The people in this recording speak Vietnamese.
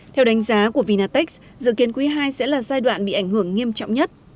theo đánh giá của vinatex dự kiến quý ii sẽ là giai đoạn bị ảnh hưởng nghiêm trọng nhất